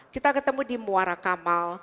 kita ketemu di muara kamal